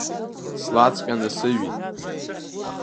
Слаҵҟьаны сыҩит.